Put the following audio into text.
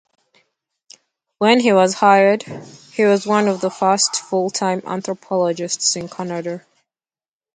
When he was hired, he was one of the first full-time anthropologists in Canada.